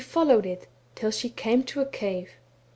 26 followed it, till she came to a cave.